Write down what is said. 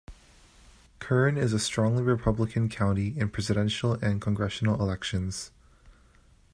Kern is a strongly Republican county in Presidential and congressional elections.